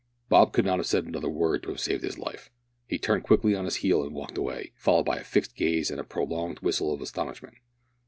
Bob could not have said another word to have saved his life. He turned quickly on his heel and walked away, followed by a fixed gaze and a prolonged whistle of astonishment.